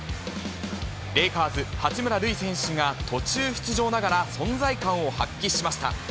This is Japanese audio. レイカーズ、八村塁選手が、途中出場ながら存在感を発揮しました。